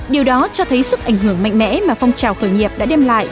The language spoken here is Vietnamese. điều đó cho thấy sức ảnh hưởng mạnh mẽ mà phong trào khởi nghiệp đã đem lại